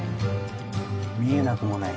見えなくもない。